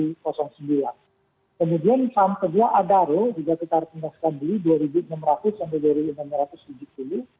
kita persirakan indeksnya petang ini berkeluarga konsolidasi semua kita rekomendasikan beli saham komunitas abnm di posisi tiga ribu enam ratus tujuh puluh tiga ribu delapan ratus lima puluh